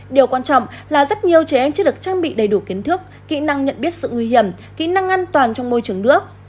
điều quan trọng là rất nhiều trẻ em chưa được trang bị đầy đủ kiến thức kỹ năng nhận biết sự nguy hiểm kỹ năng an toàn trong môi trường nước